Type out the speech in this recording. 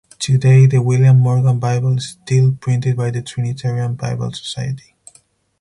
Today the William Morgan Bible is still printed by the Trinitarian Bible Society.